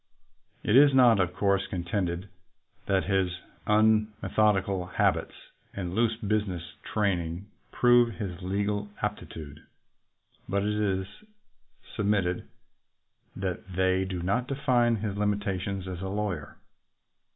It is not, of course, contended that his unmeth odical habits and loose business training prove his legal aptitude, but it is submitted that they do not define his limitations as a lawyer.